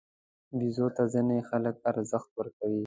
بیزو ته ځینې خلک ارزښت ورکوي.